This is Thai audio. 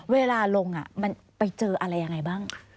เวลาลงมันไปเจออะไรยังไงบ้าง